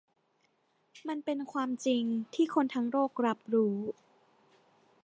มันเป็นความจริงที่คนทั้งโลกรับรู้